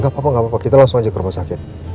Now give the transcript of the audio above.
gak apa apa kita langsung aja ke rumah sakit